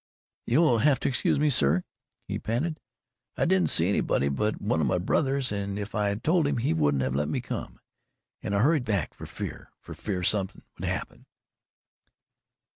"You'll have to excuse me, sir," he panted, "I didn't see anybody but one of my brothers, and if I had told him, he wouldn't have let ME come. And I hurried back for fear for fear something would happen."